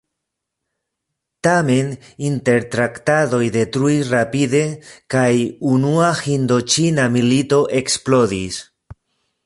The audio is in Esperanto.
Tamen, intertraktadoj detruis rapide kaj Unua Hindoĉina Milito eksplodis.